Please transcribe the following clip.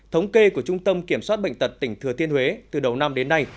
thống kê của trung tâm kiểm soát bệnh tật tỉnh thừa thiên huế từ đầu năm đến nay